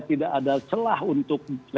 tidak ada celah untuk